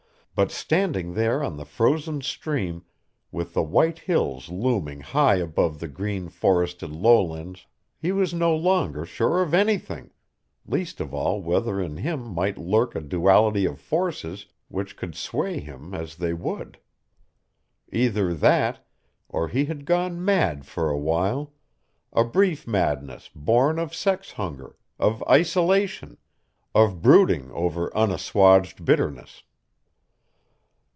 But standing there on the frozen stream with the white hills looming high above the green forested lowlands he was no longer sure of anything, least of all whether in him might lurk a duality of forces which could sway him as they would. Either that, or he had gone mad for a while, a brief madness born of sex hunger, of isolation, of brooding over unassuaged bitterness.